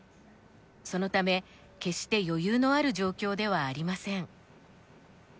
そのため決して余裕のある状況ではありません。